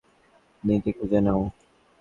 নিজে খুজে নাও।